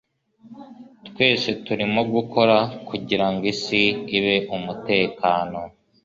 Twese turimo gukora kugirango isi ibe umutekano.